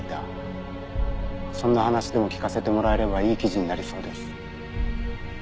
そんな話でも聞かせてもらえればいい記事になりそうです。